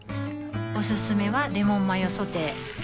おすすめはレモンマヨソテー